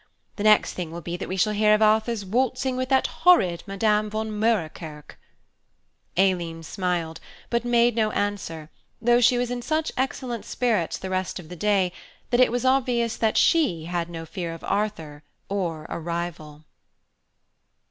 The next thing will be that we shall hear of Arthur's waltzing with that horrid Madame von Moerkerke." Aileen smiled, but made no answer, though she was in such excellent spirits the rest of the day that it was obvious that she had no fear of Arthur or a rival.